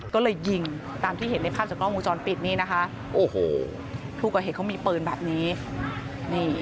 ก็เลยยิงตามที่เห็นในข้างจากร้องงูจรปิดนี่นะคะผู้ก่อเหตุเขามีเปลือนแบบนี้